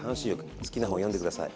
好きな本読んで下さい。